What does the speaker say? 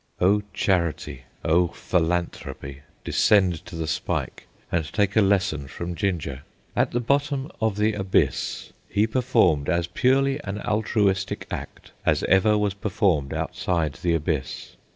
O Charity, O Philanthropy, descend to the spike and take a lesson from Ginger. At the bottom of the Abyss he performed as purely an altruistic act as was ever performed outside the Abyss.